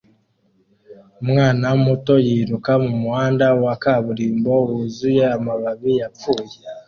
Umwana muto yiruka mumuhanda wa kaburimbo wuzuye amababi yapfuye